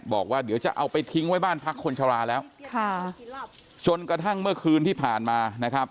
บอกว่าเดี๋ยวจะเอาไปทิ้งไว้บ้านพักคนชราแล้วค่ะจนกระทั่งเมื่อคืนที่ผ่านมานะครับ